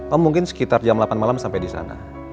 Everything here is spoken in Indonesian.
om mungkin sekitar jam delapan malam sampai disana